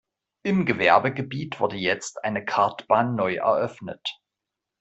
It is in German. Im Gewerbegebiet wurde jetzt eine Kartbahn neu eröffnet.